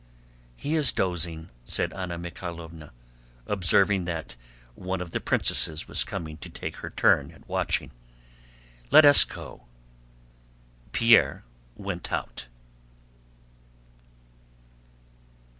"He is dozing," said Anna Mikháylovna, observing that one of the princesses was coming to take her turn at watching. "Let us go." Pierre went out.